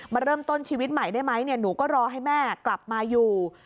เริ่มต้นชีวิตใหม่ได้ไหมหนูก็รอให้แม่กลับมาอยู่